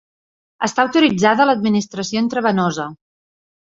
Està autoritzada l'administració intravenosa.